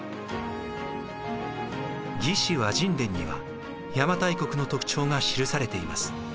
「魏志」倭人伝には邪馬台国の特徴が記されています。